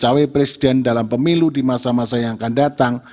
dan juga kemampuan presiden dalam pemilu di masa masa yang akan datang